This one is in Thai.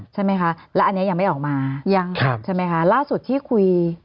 ใช่ไหมคะแล้วอันนี้ยังไม่ออกมายังครับใช่ไหมคะล่าสุดที่คุย